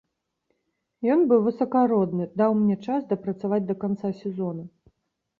Ён быў высакародны, даў мне час дапрацаваць да канца сезона.